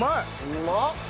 うまっ！